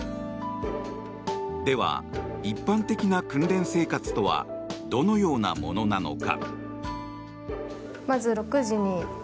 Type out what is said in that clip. では、一般的な訓練生活とはどのようなものなのか。